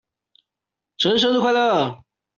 承恩生日快樂！